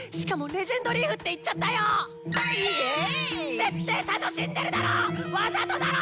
ぜってぇ楽しんでるだろわざとだろ！